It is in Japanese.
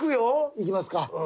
行きますか。